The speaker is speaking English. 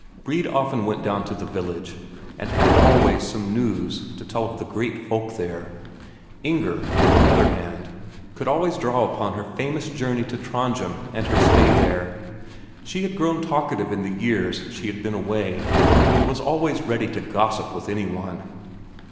Brede often went down to the village, and had always some news to tell of the great folk there; Inger, on the other hand, could always draw upon her famous journey to Trondhjem and her stay there. She had grown talkative in the years she had been away, and was always ready to gossip with any one.